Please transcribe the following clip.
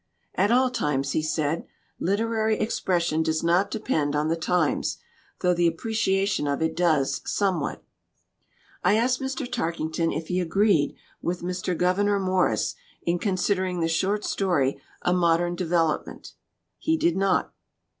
"At all times," he said. "Literary ex pression does not depend on the times, though the appreciation of it does, somewhat." I asked Mr. Tarkington if he agreed with Mr. Gouverneur Morris in considering the short story a modern development. He did not.